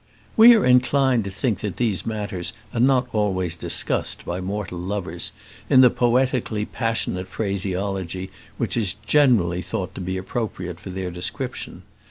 We are inclined to think that these matters are not always discussed by mortal lovers in the poetically passionate phraseology which is generally thought to be appropriate for their description.